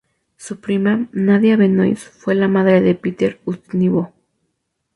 Su prima, Nadia Benois, fue la madre de Peter Ustinov.